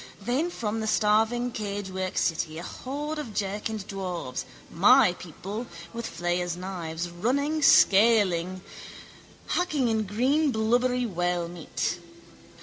Then from the starving cagework city a horde of jerkined dwarfs, my people, with flayers' knives, running, scaling, hacking in green blubbery whalemeat.